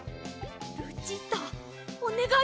ルチータおねがいします！